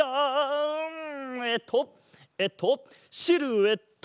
えっとえっとシルエット！